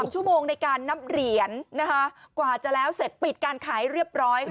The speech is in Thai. ชั่วโมงในการนับเหรียญนะคะกว่าจะแล้วเสร็จปิดการขายเรียบร้อยค่ะ